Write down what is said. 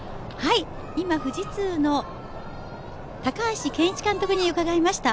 今、富士通の高橋健一監督に伺いました。